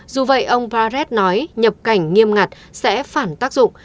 dù vậy ông prat nói nhập cảnh nghiêm ngặt sẽ phản tác dụng